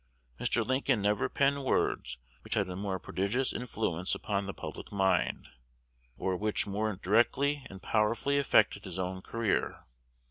Mr. Lincoln never penned words which had a more prodigious influence upon the public mind, or which more directly and powerfully affected his own career.